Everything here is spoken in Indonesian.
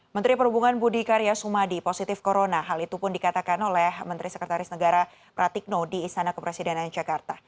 menteri perhubungan budi karya sumadi positif corona hal itu pun dikatakan oleh menteri sekretaris negara pratikno di istana kepresidenan jakarta